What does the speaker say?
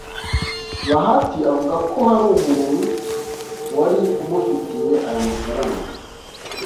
Bahati avuga ko hari umuntu wari umufitiye aya mafaranga